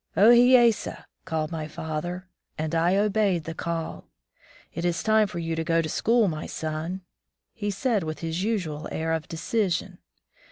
"0 hee ye sa!" called my father, and I obeyed the call. "It is time for you to go to school, my son," he said, with his usual air of decision.